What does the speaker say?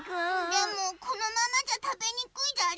でもこのままじゃたべにくいじゃり。